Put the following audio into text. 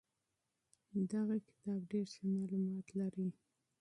دغه کتاب ډېر ښه معلومات لري.